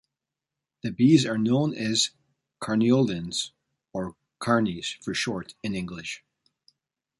These bees are known as Carniolans, or "Carnies" for short, in English.